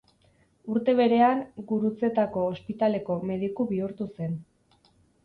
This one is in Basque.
Urte berean, Gurutzetako Ospitaleko mediku bihurtu zen.